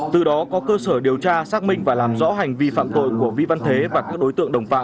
từ đó có cơ sở điều tra xác minh và làm rõ hành vi phạm tội của vi văn thế và các đối tượng đồng phạm